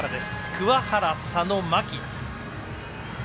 桑原、佐野、牧。